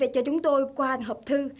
cho chúng tôi qua hộp thư